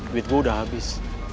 duit gua udah habis